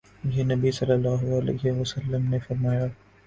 کہ نبی صلی اللہ علیہ وسلم نے فرمایا